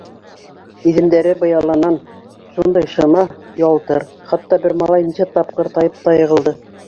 Иҙәндәре быяланал, шундай шыма, ялтыр, хатта малай бер нисә тапҡыр тайып та йығыла.